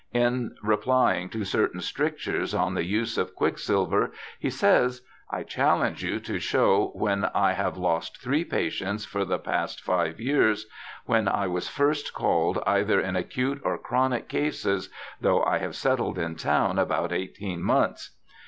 in replying to certain strictures on the use of quicksilver, he says, ' I challenge you to show when I have lost three patients for the past five years, when I was first called either in acute or chronic cases (though I have settled in town about eighteen months).'